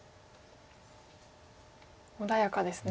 穏やかですね。